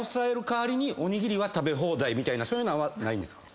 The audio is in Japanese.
代わりにおにぎりは食べ放題みたいなそういうのはないんですか？